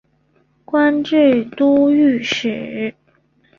官至都御史。